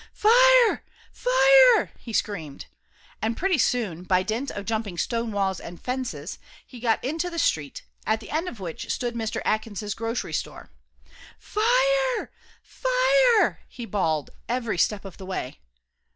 "Fire fire!" he screamed, and pretty soon, by dint of jumping stone walls and fences, he got into the street, at the end of which stood Mr. Atkins' grocery store. "Fire fire!" he bawled every step of the way.